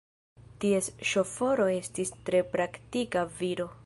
Ties ŝoforo estis tre praktika viro.